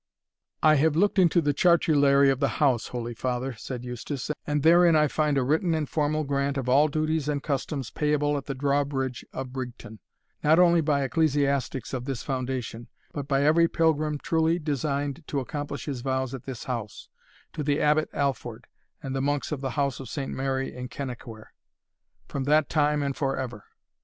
"I have looked into the Chartulary of the House, holy father," said Eustace, "and therein I find a written and formal grant of all duties and customs payable at the drawbridge of Brigton, not only by ecclesiastics of this foundation, but by every pilgrim truly designed to accomplish his vows at this House, to the Abbot Allford, and the monks of the House of Saint Mary in Kennaquhair, from that time and for ever.